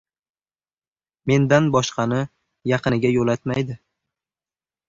Mendan boshqani yaqiniga yo‘latmaydi.